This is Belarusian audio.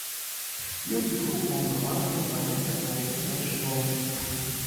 Ён быў упаўнаважаны на гэта па ўсёй нашай воласці.